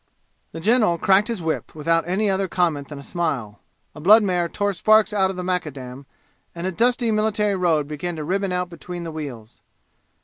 The general cracked his whip without any other comment than a smile. A blood mare tore sparks out of the macadam, and a dusty military road began to ribbon out between the wheels.